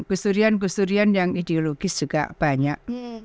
gusturian gusturian yang ideologis juga banyak